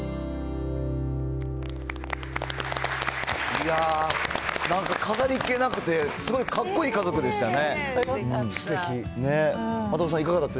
いやー、なんか飾りっ気なくて、すごいかっこいい家族でしたね。